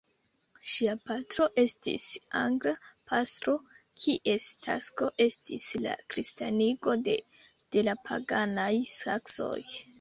Ŝia patro estis angla pastro, kies tasko estis la kristanigo de la paganaj saksoj.